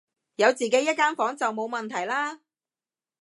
有自己一間房就冇問題啦